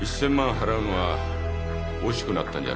払うのが惜しくなったんじゃないですか？